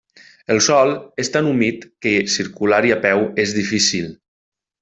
El sòl és tan humit que circular-hi a peu és difícil.